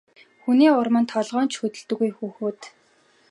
Хүний урманд толгой нь ч өвддөггүй хүүхэд.